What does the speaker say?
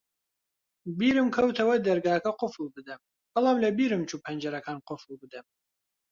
بیرم کەوتەوە دەرگاکە قوفڵ بدەم، بەڵام لەبیرم چوو پەنجەرەکان قوفڵ بدەم.